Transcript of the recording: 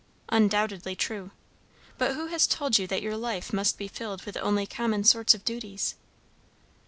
"Undoubtedly true. But who has told you that your life must be filled with only common sorts of duties?"